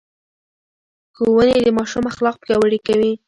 ښوونې د ماشوم اخلاق پياوړي کوي.